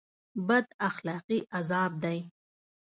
بد اخلاقي عذاب دی